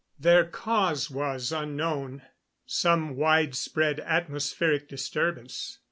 Their cause was unknown some widespread atmospheric disturbance.